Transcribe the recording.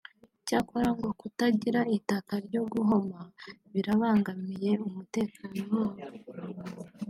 cyakora ngo kutagira itaka ryo guhoma birabangamiye umutekano wabo